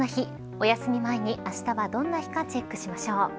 おやすみ前にあしたはどんな日かチェックしましょう。